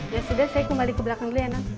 ya sudah saya kembali ke belakang dulu ya nak